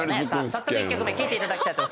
早速１曲目聴いていただきたいと。